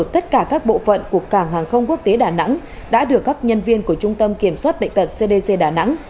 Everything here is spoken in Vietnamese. tất cả các bộ phận của cảng hàng không quốc tế đà nẵng đã được các nhân viên của trung tâm kiểm soát bệnh tật cdc đà nẵng